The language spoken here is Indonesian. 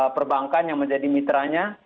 perbankan yang menjadi mitranya